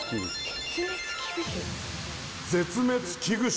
絶滅危惧種。